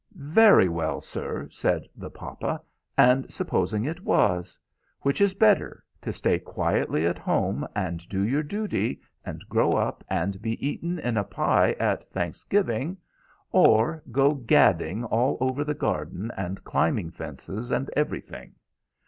"Very well, sir!" said the papa. "And supposing it was? Which is better: to stay quietly at home, and do your duty, and grow up, and be eaten in a pie at Thanksgiving, or go gadding all over the garden, and climbing fences, and everything?